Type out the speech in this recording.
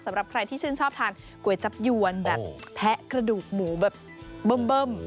สำหรับใครที่ชื่นชอบทานก๋วยจับยวนแบบแทะกระดูกหมูแบบเบิ้ม